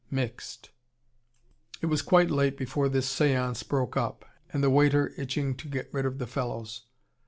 Mixed. It was quite late before this seance broke up: and the waiter itching to get rid of the fellows.